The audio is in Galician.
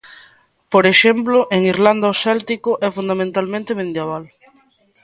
Por exemplo, en Irlanda o céltico é fundamentalmente medieval.